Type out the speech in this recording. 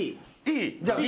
じゃあＢ